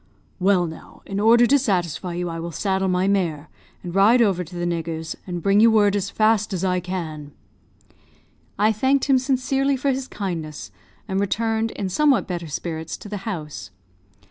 "Well, now, in order to satisfy you, I will saddle my mare, and ride over to the nigger's, and bring you word as fast as I can." I thanked him sincerely for his kindness, and returned, in somewhat better spirits, to the house.